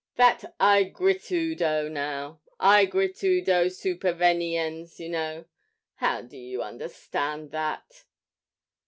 'That ægritudo, now, "ægritudo superveniens," you know how do you understand that?'